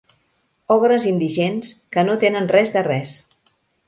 Ogres indigents, que no tenen res de res.